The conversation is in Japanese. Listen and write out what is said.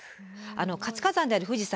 活火山である富士山